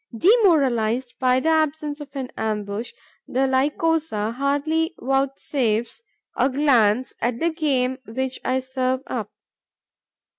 Demoralized by the absence of an ambush, the Lycosa hardly vouchsafes a glance at the game which I serve up.